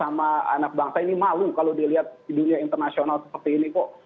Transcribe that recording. sama anak bangsa ini malu kalau dilihat di dunia internasional seperti ini kok